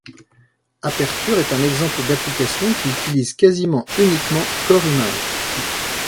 Aperture est un exemple d'application qui utilise quasiment uniquement Core Image.